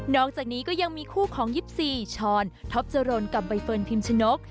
อกจากนี้ก็ยังมีคู่ของ๒๔ช้อนท็อปจรนกับใบเฟิร์นพิมชนก